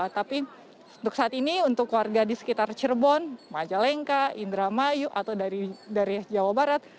tapi untuk saat ini untuk warga di sekitar cirebon majalengka indramayu atau dari jawa barat